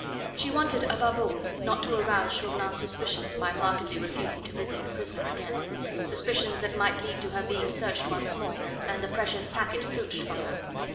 She wanted, above all, not to arouse Chauvelin's suspicions by markedly refusing to visit the prisoner again suspicions that might lead to her being searched once more and the precious packet filched from her.